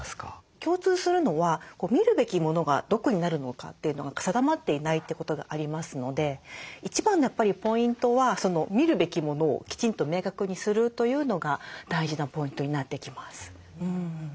共通するのは見るべきものがどこになるのかというのが定まっていないってことがありますので一番のやっぱりポイントは見るべきものをきちんと明確にするというのが大事なポイントになってきます。